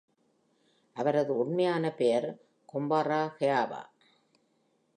அவரது உண்மையான பெயர் Kambara Hayao.